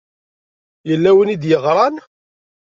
Yella win i d-yeɣṛan.